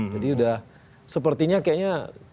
jadi sudah sepertinya kayaknya